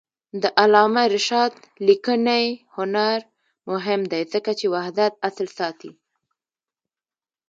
د علامه رشاد لیکنی هنر مهم دی ځکه چې وحدت اصل ساتي.